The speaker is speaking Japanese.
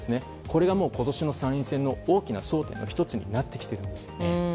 これが今年の参院選の大きな争点の１つになってきているんですね。